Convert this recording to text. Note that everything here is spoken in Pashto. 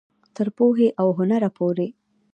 تر پوهې او هنره پورې.